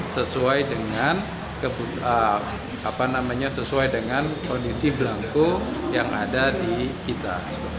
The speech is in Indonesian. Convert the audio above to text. sesuai dengan kondisi belangku yang ada di kita